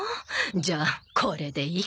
じゃあこれでいっか。